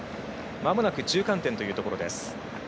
まもなく中間点というところ。